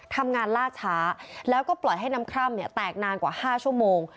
ล่าช้าแล้วก็ปล่อยให้น้ำคร่ำแตกนานกว่า๕ชั่วโมง